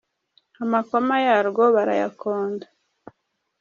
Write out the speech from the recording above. Amakoma yarwo barayakonda